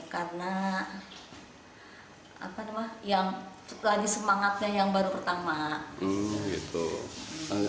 karena apa namanya yang lagi semangatnya yang baru pertama